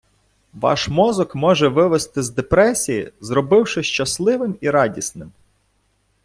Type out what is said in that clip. Ваш мозок може вивести з депресії, зробивши щасливим і радісним.